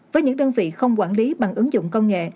với những đơn vị không quản lý bằng ứng dụng công nghệ